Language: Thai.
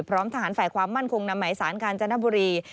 พร้อมทหารฝ่ายความมั่นคงนำหมายสารกาญจนบุรี